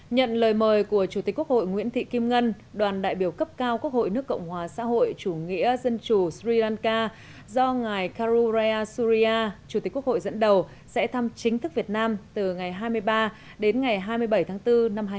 nhận lời mời của chủ tịch quốc hội nguyễn thị kim ngân đoàn đại biểu cấp cao quốc hội nước cộng hòa xã hội chủ nghĩa dân chủ sri lanka do ngài karurea surya chủ tịch quốc hội dẫn đầu sẽ thăm chính thức việt nam từ ngày hai mươi ba đến ngày hai mươi bảy tháng bốn năm hai nghìn hai mươi